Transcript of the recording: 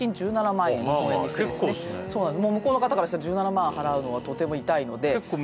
向こうの方からしたら、１７万払うのは、とても痛いので。